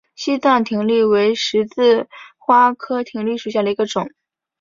西藏葶苈为十字花科葶苈属下的一个种。